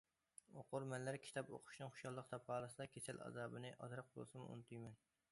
ئوقۇرمەنلەر كىتاب ئوقۇشتىن خۇشاللىق تاپالىسىلا، كېسەل ئازابىنى ئازراق بولسىمۇ ئۇنتۇيمەن.